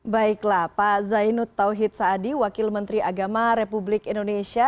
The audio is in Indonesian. baiklah pak zainud tauhid saadi wakil menteri agama republik indonesia